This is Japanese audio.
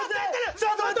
ちょっと待って！